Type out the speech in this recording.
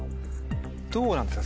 どうなんですか？